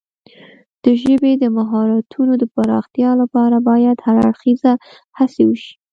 د ژبې د مهارتونو د پراختیا لپاره باید هر اړخیزه هڅې وشي.